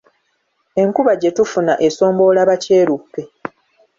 Enkuba gye tufuna esomboola bakyeruppe.